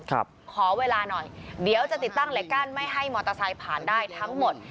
ขอเวลาหน่อยเดี๋ยวจะติดตั้งเหล็กกั้นไม่ให้มอเตอร์ไซค์ผ่านได้ทั้งหมด